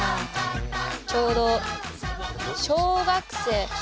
ちょうど小学生。